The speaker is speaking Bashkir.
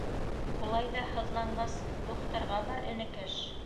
— Улай ҙа һыҙланғас, духтырға бар, энекәш.